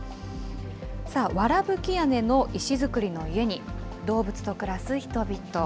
さあ、わらぶき屋根の石造りの家に、動物と暮らす人々。